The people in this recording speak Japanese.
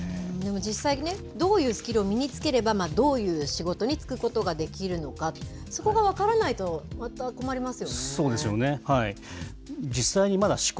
でも実際ね、どういうスキルを身につければ、どういう仕事に就くことができるのか、そこが分からないと、また困りますよね。